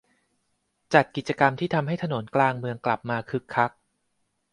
จัดกิจกรรมที่ทำให้ถนนกลางเมืองกลับมาคึกคัก